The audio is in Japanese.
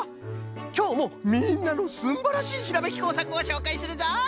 きょうもみんなのすんばらしいひらめきこうさくをしょうかいするぞい！